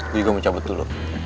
gue juga mau cabut dulu